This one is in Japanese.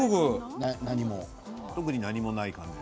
特に何もない感じ。